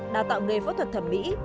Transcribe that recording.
đào tạo nghề phẫu thuật thẩm mỹ